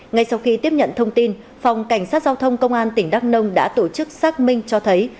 ngay sau khi tiếp nhận thông tin phòng cảnh sát giao thông công an tỉnh đắk nông đã tổ chức xác minh cho thấy